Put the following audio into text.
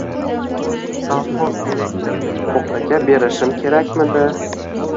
Sovxoz direktorining o‘g‘liga berishim kerakmidi?